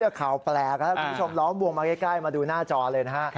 ก็ข่าวแปลกนะคุณผู้ชมล้อมวงมาใกล้มาดูหน้าจอเลยนะฮะ